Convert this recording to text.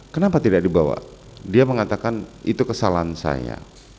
kenapa tidak dibawa dia mengatakan itu kesalahan saya